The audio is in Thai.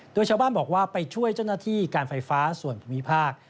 โดยชาวบ้านบอกว่าไปช่วยเจ้าหน้าที่การไฟฟ้าส่วนภูมิภาค